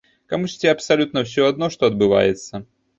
Камусьці абсалютна ўсё адно, што адбываецца.